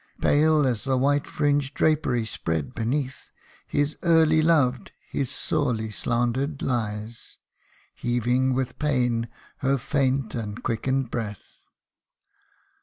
Pale as the white fringed drapery spread beneath, His early loved, his sorely slandered, lies, Heaving with pain her faint and quickened breath.